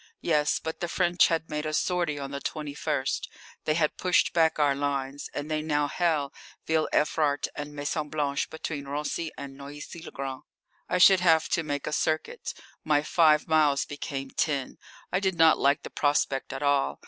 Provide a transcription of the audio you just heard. Yes, but the French had made a sortie on the 21st, they had pushed back our lines, and they now held Ville Evrart and Maison Blanche between Raincy and Noisy le Grand. I should have to make a circuit; my five miles became ten. I did not like the prospect at all.